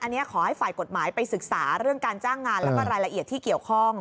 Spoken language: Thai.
อันนี้ขอให้ฝ่ายกฎหมายไปศึกษาเรื่องการจ้างงานแล้วก็รายละเอียดที่เกี่ยวข้อง